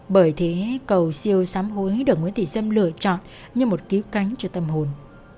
bởi thế cầu siêu sám hối được nguyễn thị sâm lựa chọn như một kiếp cánh cho tâm hồn